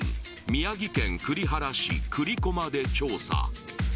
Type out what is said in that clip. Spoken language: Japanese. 宮城県栗原市栗駒で調査